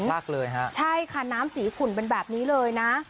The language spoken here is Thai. มากเลยฮะใช่ค่ะน้ำสีขุ่นเป็นแบบนี้เลยนะ